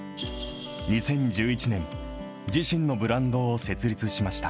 ２０１１年、自身のブランドを設立しました。